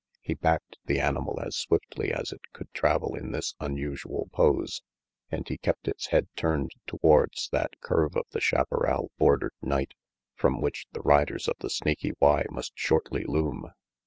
He backed the animal as swiftly as it could travel in this unusual pose, and he kept its head turned towards that curve of the chaparral bordered night from which the riders of the Snaky Y must shortly loom.